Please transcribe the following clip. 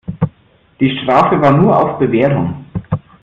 Die Strafe war nur auf Bewährung.